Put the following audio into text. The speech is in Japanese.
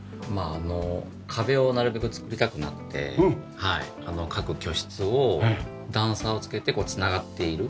壁をなるべく作りたくなくて各居室を段差をつけて繋がっている。